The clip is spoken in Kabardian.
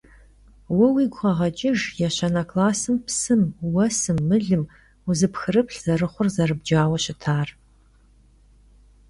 Vue vuigu kheğeç'ıjj yêşane klassım psım, vuesım, mılım vuzepxrıplh zerıxhur zerıbcaue şıtar.